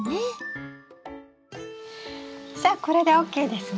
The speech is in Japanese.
さあこれでＯＫですね。